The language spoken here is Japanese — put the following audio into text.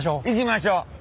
行きましょう。